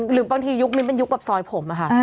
หรือบางทียุคมิ้นเป็นยุคแบบซอยผมอะค่ะ